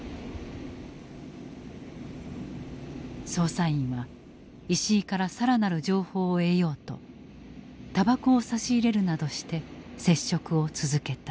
捜査員は石井から更なる情報を得ようとたばこを差し入れるなどして接触を続けた。